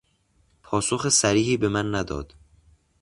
پاسخ صریحی به من نداد.